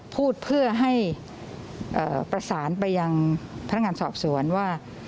พูดเพื่อให้ประสานไปยังพนักงานสอบสวนว่า